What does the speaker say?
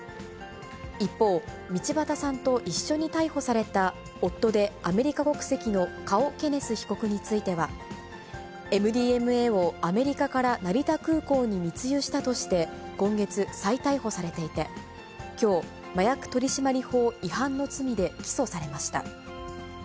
一方、道端さんと一緒に逮捕された夫でアメリカ国籍のカオ・ケネス被告については、ＭＤＭＡをアメリカから成田空港に密輸したとして、今月、再逮捕されていて、きょう、麻薬取締法違反の罪で起訴されました。